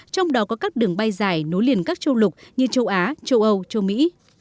trong đó có các đường bay dài nối liền các châu lục như châu á châu âu châu mỹ